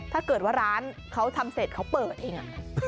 ถ้าเกิดว่าร้านเขาทำเสร็จเขาเปิดเอง